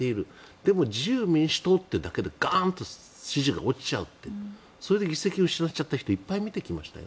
だけど、自由民主党というだけでガーンと支持が落ちちゃうってそれで議席を失っちゃった人をいっぱい見てきましたよ。